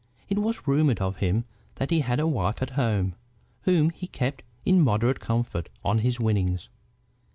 It was rumored of him that he had a wife at home, whom he kept in moderate comfort on his winnings.